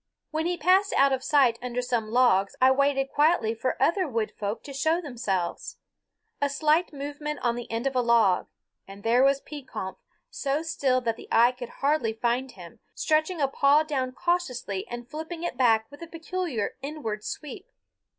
When he passed out of sight under some logs I waited quietly for other Wood Folk to show themselves. A slight movement on the end of a log and there was Pekompf, so still that the eye could hardly find him, stretching a paw down cautiously and flipping it back with a peculiar inward sweep.